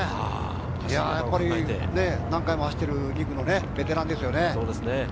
やはり何回も走っている、２区のベテランですよね。